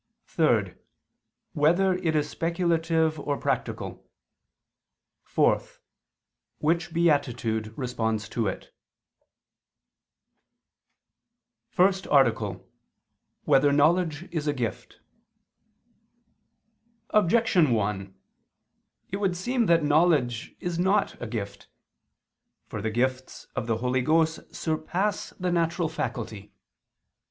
(3) Whether it is speculative or practical? (4) Which beatitude responds to it? _______________________ FIRST ARTICLE [II II, Q. 9, Art. 1] Whether Knowledge Is a Gift? Objection 1: It would seem that knowledge is not a gift. For the gifts of the Holy Ghost surpass the natural faculty.